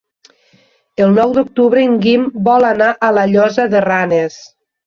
El nou d'octubre en Guim vol anar a la Llosa de Ranes.